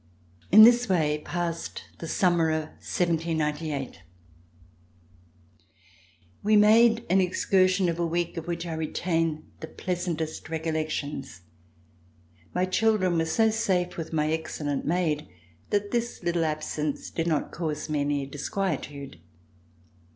In this way passed the summer of 1798. We made an excursion of a week of which I retain C298] LIFE AT RICHMOND the pleasantest recollections. My children were so safe with my excellent maid, that this little absence did not cause me any disquietude.